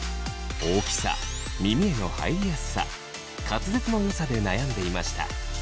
大きさ・耳への入りやすさ・滑舌の良さで悩んでいました。